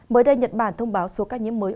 mới đây nhật bản thông báo số ca nhiễm mới